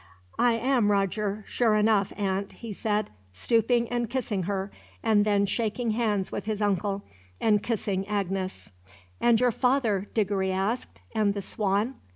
"I am Roger, sure enough, aunt," he said, stooping and kissing her; and then shaking hands with his uncle, and kissing Agnes. "And your father," Diggory asked, "and the Swan?"